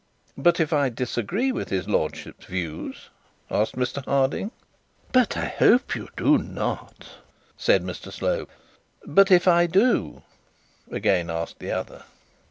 'But if I disagree with his lordship's views?' asked Mr Harding. 'But I hope you do not,' said Mr Slope. 'But if I do?' again asked the other.